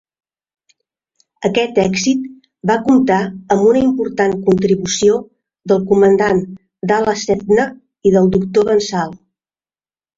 Aquest èxit va comptar amb una important contribució del Comandant d'Ala Sethna i del Doctor Bensal.